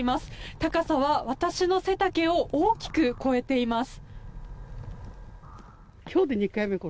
高さは私の背丈を大きく超えています。